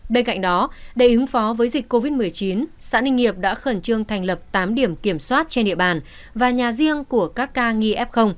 bên cạnh đó để ứng phó với dịch covid một mươi chín xã ninh nghiệp đã khẩn trương thành lập tám điểm kiểm soát trên địa bàn và nhà riêng của các ca nghi f